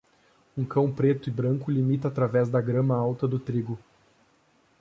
Um cão preto e branco limita através da grama alta do trigo.